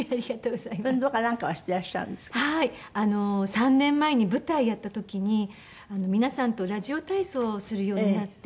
３年前に舞台やった時に皆さんとラジオ体操をするようになって。